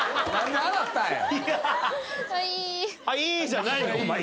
「はい」じゃないの。